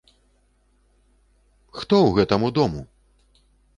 Хто ў гэтаму дому!